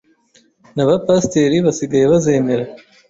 Na ba pasteurs basigaye bazemera